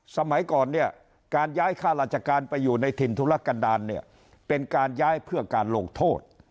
สมัยก่อนเนี่ยการย้ายค่าราชการไปอยู่ในถิ่นธุรกันดาลเนี่ยเป็นการย้ายเพื่อการลงโทษ